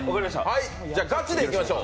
では、ガチでいきましょう。